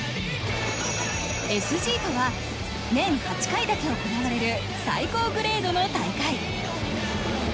ＳＧとは、年８回だけ行われる最高グレードの大会。